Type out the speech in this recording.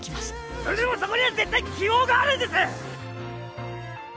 それでもそこには絶対希望があるんです！